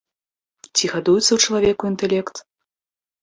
Ці гадуецца ў чалавеку інтэлект?